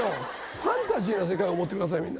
ファンタジーな世界を思ってください、みんな。